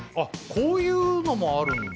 こういうのもあるんだ？